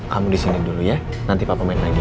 kamu disini dulu ya nanti papa main lagi